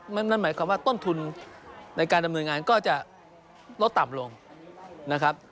นั่นหมายความว่าต้นทุนในการดำเนินงานก็จะลดต่ำลงนะครับ